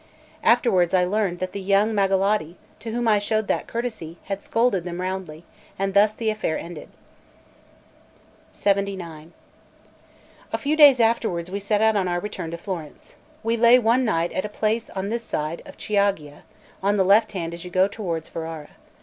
Afterwards I learned that the young Magalotti, to whom I showed that courtesy, had scolded them roundly; and thus the affair ended. LXXIX A FEW days afterwards we set out on our return to Florence. We lay one night at a place on this side Chioggia, on the left hand as you go toward Ferrara.